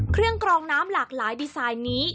เครื่องกองน้ำหลากหลายดีไซน์นี้